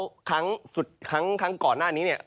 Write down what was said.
แล้วครั้งสุดครั้งก่อนหน้านี้เนี่ย